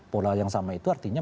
pola yang sama itu artinya